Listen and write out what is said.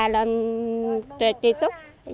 là truyền truyền súc